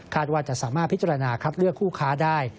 ว่าจะสามารถพิจารณาคัดเลือกคู่ค้าได้